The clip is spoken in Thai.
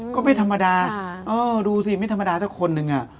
ก็ไม่ธรรมดาดูสิไม่ธรรมดาสักคนหนึ่ง